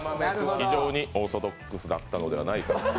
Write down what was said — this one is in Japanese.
非常にオーソドックスだったのではないかと。